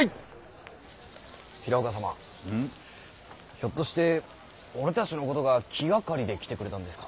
ひょっとして俺たちのことが気がかりで来てくれたんですか？